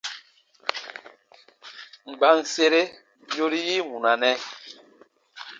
Mba n sere yori yi wunanɛ ?